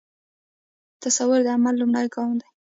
تصور د عمل لومړی ګام دی.